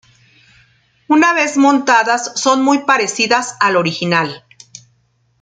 Una vez montadas, son muy parecidas al original.